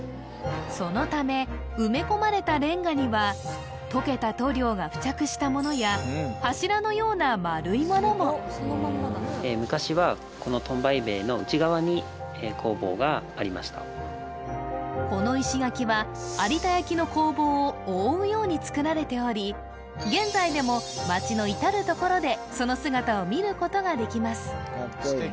そのため埋め込まれたレンガには溶けた塗料が付着したものや柱のような丸いものもこの石垣は有田焼の工房を覆うようにつくられており現在でも町の至る所でその姿を見ることができます